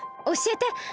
おしえて。